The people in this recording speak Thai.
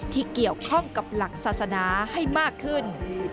ที่เกี่ยวข้องกับหลักศาสนาให้มากขึ้น